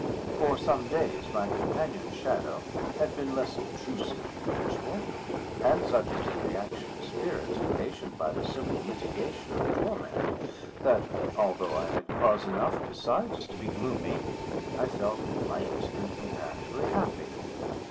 For some days my companion shadow had been less obtrusive than usual; and such was the reaction of spirits occasioned by the simple mitigation of torment, that, although I had cause enough besides to be gloomy, I felt light and comparatively happy.